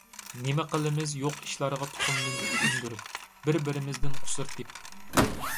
نېمە قىلىمىز يوق ئىشلارغا تۇخۇمدىن تۈك ئۈندۈرۈپ، بىر-بىرىمىزدىن قۇسۇر تېپىپ؟